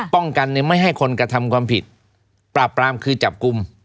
ป้องกันไม่ให้คนกระทำความผิดปราบปรามคือจับกลุ่ม